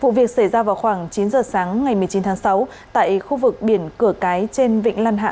vụ việc xảy ra vào khoảng chín giờ sáng ngày một mươi chín tháng sáu tại khu vực biển cửa cái trên vịnh lan hạ